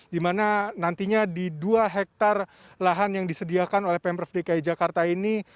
di mana nantinya di dua hektare lahan yang disediakan oleh pemprov dki jakarta ini